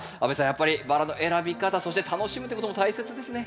やっぱりバラの選び方そして楽しむっていうことも大切ですね。